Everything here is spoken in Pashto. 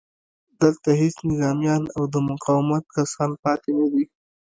دلته هېڅ نظامیان او د مقاومت کسان پاتې نه دي